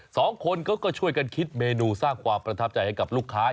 สองคนเขาก็ช่วยกันคิดเมนูสร้างความประทับใจให้กับลูกค้า